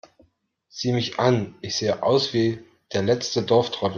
Sieh mich an, ich sehe aus wie der letzte Dorftrottel!